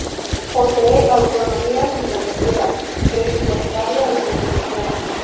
Posee autonomía Financiera, presupuestaria y de gestión.